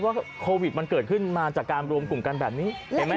ว่าโควิดมันเกิดขึ้นมาจากการรวมกลุ่มกันแบบนี้เห็นไหม